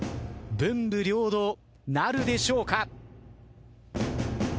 文武両道なるでしょうか？